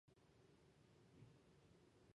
立教大学